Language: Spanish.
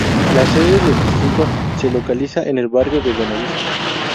La sede del distrito se localiza en el barrio de Buenavista.